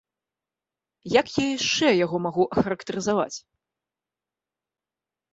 Як я яшчэ яго магу ахарактарызаваць?